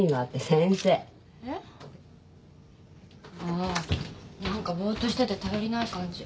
ああ何かぼーっとしてて頼りない感じ。